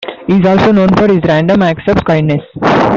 He is also known for his random acts of kindness.